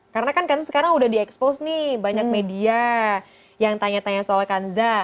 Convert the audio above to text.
karena kan kanza sekarang udah di expose nih banyak media yang tanya tanya soal kanza